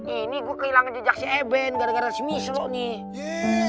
ini gua kehilangan jejak si eben gara gara si mislo nih